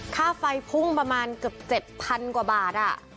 ค่าไฟพุ่งประมาณเกือบ๗๐๐กว่าบาท